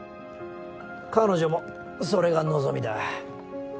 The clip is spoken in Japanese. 彼女もそれが望みだ。